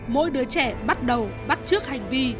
mỗi đứa trẻ bắt đầu bắt trước hành vi